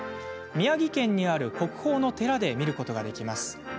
宮城県にある国宝の寺で見ることができます。